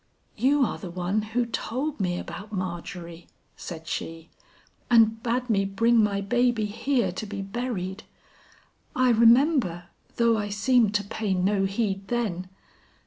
"You are the one who told me about Margery," said she, "and bade me bring my baby here to be buried. I remember, though I seemed to pay no heed then.